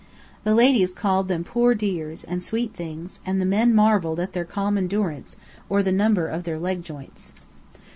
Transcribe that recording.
The ladies called them poor dears, and sweet things; and the men marvelled at their calm endurance, or the number of their leg joints.